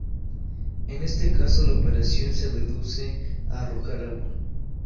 En este caso, la operación se reduce a arrojar agua.